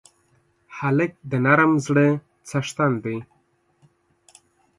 هلک د نرم زړه څښتن دی.